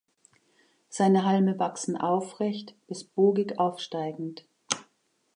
Seine Halme wachsen aufrecht bis bogig aufsteigend.